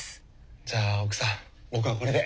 じゃあ奥さん僕はこれで。